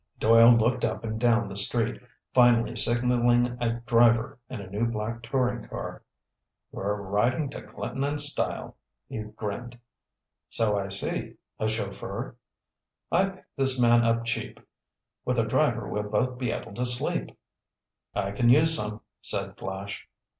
Doyle looked up and down the street, finally signaling a driver in a new black touring car. "We're riding to Clinton in style," he grinned. "So I see. A chauffeur?" "I picked this man up cheap. With a driver we'll both be able to sleep." "I can use some," said Flash.